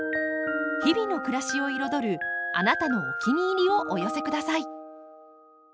日々の暮らしを彩るあなたのお気に入りをお寄せください。